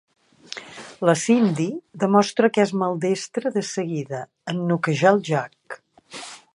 La Cindy demostra que és maldestra de seguida, en noquejar el Jack.